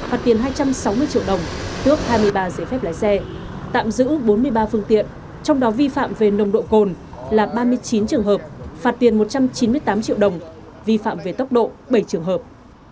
phạt tiền hai trăm sáu mươi triệu đồng tước hai mươi ba giấy phép lái xe tạm giữ bốn mươi ba phương tiện trong đó vi phạm về nồng độ cồn là ba mươi chín trường hợp phạt tiền một trăm chín mươi tám triệu đồng vi phạm về tốc độ bảy trường hợp